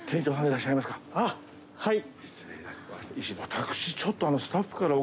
はい。